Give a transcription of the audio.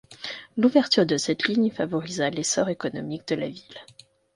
L'ouverture de cette ligne favorisa l'essor économique de la ville.